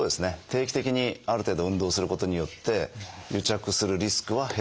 定期的にある程度運動することによって癒着するリスクは減るとは思うんですね。